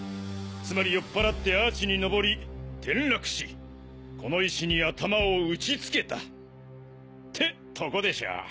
つまり酔っ払ってアーチに登り転落しこの石に頭を打ちつけたってとこでしょう。